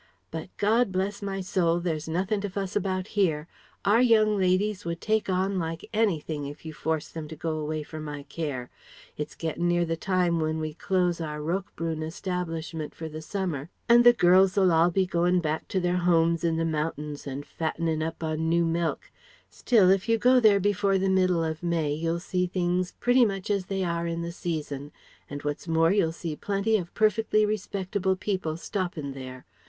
But ... God bless my soul ... there's nothin' to fuss about here. Our young ladies would take on like anything if you forced them to go away from my care. It's gettin' near the time when we close our Roquebrune establishment for the summer, an' the girls'll all be goin' back to their homes in the mountains and fattenin' up on new milk; still if you go there before the middle of May you'll see things pretty much as they are in the season; and what's more you'll see plenty of perfectly respectable people stoppin' there.